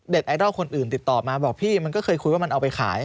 ไอดอลคนอื่นติดต่อมาบอกพี่มันก็เคยคุยว่ามันเอาไปขาย